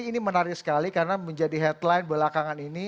ini menarik sekali karena menjadi headline belakangan ini